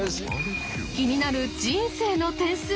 気になる人生の点数。